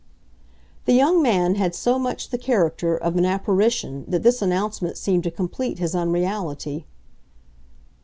The young man had so much the character of an apparition that this announcement seemed to complete his unreality.